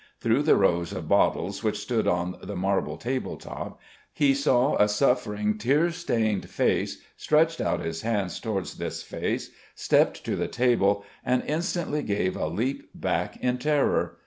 Through the rows of bottles which stood on the marble table top he saw a suffering tear stained face, stretched out his hands towards this face, stepped to the table and instantly gave a leap back in terror.